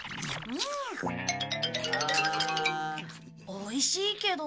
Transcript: おいしいけど。